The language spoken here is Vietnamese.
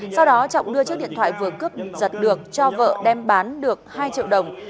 sau đó trọng đưa chiếc điện thoại vừa cướp giật được cho vợ đem bán được hai triệu đồng